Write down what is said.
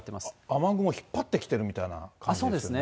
雨雲を引っ張ってきてるみたいな感じですね。